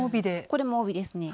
これも帯ですね。